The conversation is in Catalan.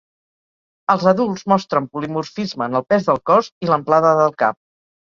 Els adults mostren polimorfisme en el pes del cos i l'amplada del cap.